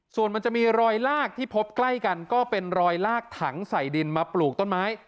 ส่วนมันจะมีรอยลากที่พบใกล้กันก็เป็นรอยลากถังใส่ดินมาปลูกต้นไม้